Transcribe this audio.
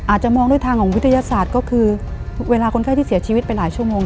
อาจจะมองด้วยทางของวิทยาศาสตร์ก็คือเวลาคนไข้ที่เสียชีวิตไปหลายชั่วโมง